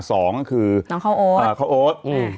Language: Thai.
๒ก็คือข้าวโอด